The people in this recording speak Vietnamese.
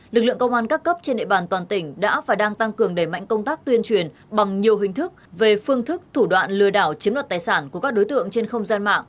lực lượng công an các cấp trên nệ bàn toàn tỉnh đã và đang tăng cường đẩy mạnh công tác tuyên truyền bằng nhiều hình thức về phương thức thủ đoạn lừa đảo chiếm đoạt tài sản của các đối tượng trên không gian mạng